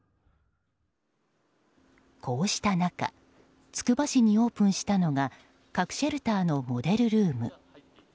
こうした中つくば市にオープンしたのが核シェルターのモデルルーム。